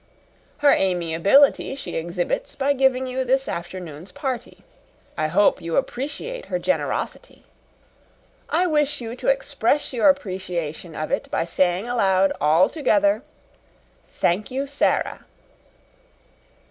Her amiability she exhibits by giving you this afternoon's party. I hope you appreciate her generosity. I wish you to express your appreciation of it by saying aloud all together, 'Thank you, Sara!'"